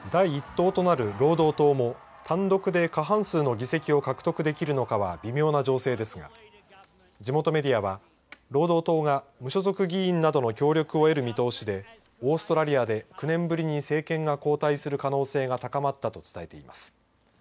党となる労働党も単独で過半数の議席を獲得できるのかは微妙な情勢ですが地元メディアは労働党が無所属議員などの協力を得る見通しでオーストラリアで９年ぶりに政権が交代する可能性が高まったと伝えています。